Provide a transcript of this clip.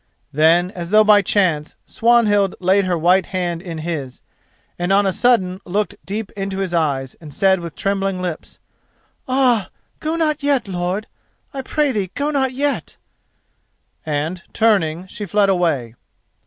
Then, as though by chance, Swanhild laid her white hand in his, and on a sudden looked deep into his eyes, and said with trembling lips, "Ah, go not yet, lord!—I pray thee, go not yet!"—and, turning, she fled away.